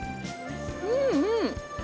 うんうん。